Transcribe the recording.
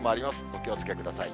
お気をつけください。